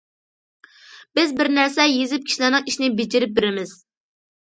- بىز بىر نەرسە يېزىپ كىشىلەرنىڭ ئىشىنى بېجىرىپ بېرىمىز.